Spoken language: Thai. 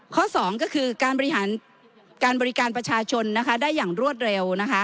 ข้อสองก็คือการบริการประชาชนได้อย่างรวดเร็ว